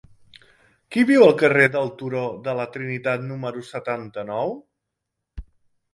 Qui viu al carrer del Turó de la Trinitat número setanta-nou?